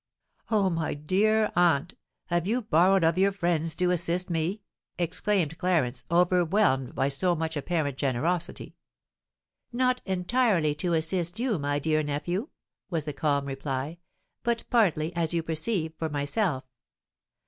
"Oh! my dear aunt, have you borrowed of your friends to assist me?" exclaimed Clarence, overwhelmed by so much apparent generosity. "Not entirely to assist you, my dear nephew," was the calm reply; "but partly, as you perceive, for myself.